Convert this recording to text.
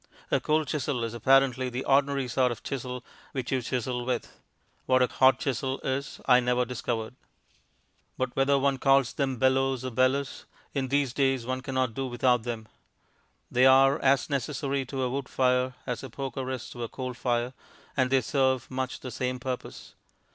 A cold chisel is apparently the ordinary sort of chisel which you chisel with; what a hot chisel is I never discovered. But whether one calls them "bellows" or "bellus," in these days one cannot do without them. They are as necessary to a wood fire as a poker is to a coal fire, and they serve much the same purpose.